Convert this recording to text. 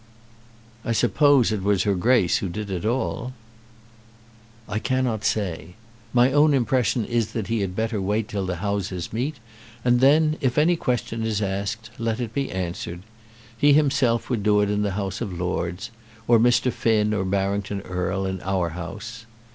"I suppose it was her Grace who did it all." "I cannot say. My own impression is that he had better wait till the Houses meet, and then, if any question is asked, let it be answered. He himself would do it in the House of Lords, or Mr. Finn or Barrington Erle, in our House.